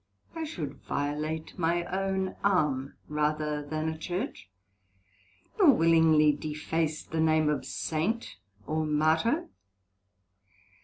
I should violate my own arm rather than a Church; nor willingly deface the name of Saint or Martyr.